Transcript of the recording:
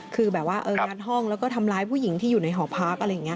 คือแบบว่างัดห้องแล้วก็ทำร้ายผู้หญิงที่อยู่ในหอพักอะไรอย่างนี้